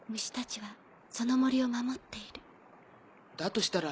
としたら